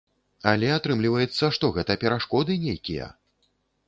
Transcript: Але атрымліваецца, што гэта перашкоды нейкія.